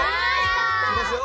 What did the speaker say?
あ！いきますよ！